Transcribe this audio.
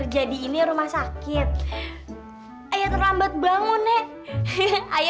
jangan coba coba mendekat